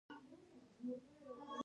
زه یي درته وایم ته یي لیکه